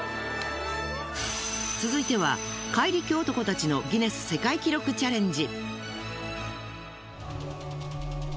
続いては怪力男たちのギネス世界記録チャレンジ。